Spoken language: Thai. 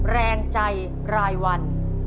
แรงใจรายวัน